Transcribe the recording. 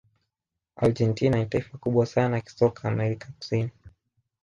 argentina ni taifa kubwa sana kisoka amerika kusini